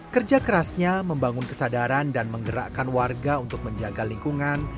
kerja kerasnya membangun kesadaran dan menggerakkan warga untuk menjaga lingkungan